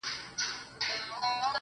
گلي پر ملا باندي راماته نسې~